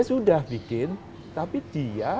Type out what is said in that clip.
sudah bikin tapi dia